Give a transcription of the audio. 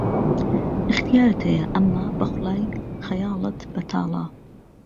ئیختیارت ههيه ئهمما به خوڵای خهیاڵت بهتاڵه